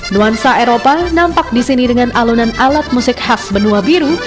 nuansa eropa nampak di sini dengan alunan alat musik khas benua biru